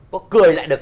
có cười lại được